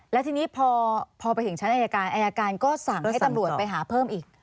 แล้วทีนี้พอไปถึงชั้นอายการอายการก็สั่งให้ตำรวจไปหาเพิ่มอีก